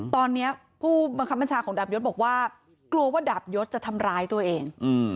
ตอนนี้ผู้บังคับบัญชาของดาบยศบอกว่ากลัวว่าดาบยศจะทำร้ายตัวเอง